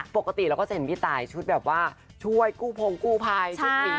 ปกติ้เราก็จะเห็นพี่แต่ย์ชุดช่วยกู้พ้งกู้พายชุดนี้